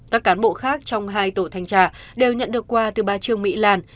các cán bộ khác trong hai tổ thanh tra đều nhận được quà từ ba trường mỹ làn